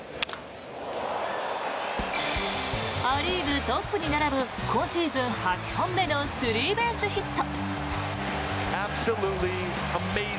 ア・リーグトップに並ぶ今シーズン８本目のスリーベースヒット。